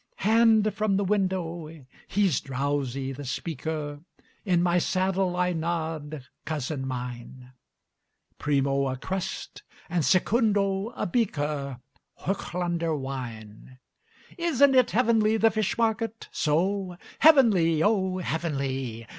Hand from the window he's drowsy, the speaker, In my saddle I nod, cousin mine Primo a crust, and secundo a beaker, Hochländer wine! Isn't it heavenly the fish market? So? "Heavenly, oh heavenly!"